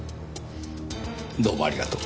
どうもありがとう。